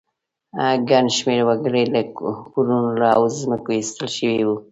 ګڼ شمېر وګړي له کورونو او ځمکو ایستل شوي وو